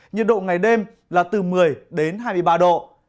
nhiệt độ ngày đêm là từ một mươi đến hai mươi ba độ